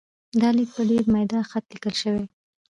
دا لیک په ډېر میده خط لیکل شوی.